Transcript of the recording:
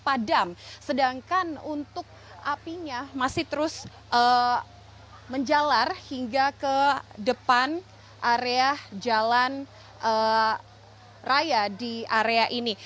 tidak ada yang berusaha untuk memadam sedangkan untuk apinya masih terus menjalar hingga ke depan area jalan raya di area ini